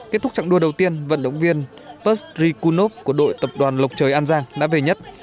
kết thúc trạng đua đầu tiên vận động viên pusri kunop của đội tập đoàn lộc trời an giang đã về nhất